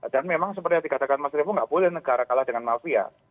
dan memang seperti yang dikatakan mas revo gak boleh negara kalah dengan mafia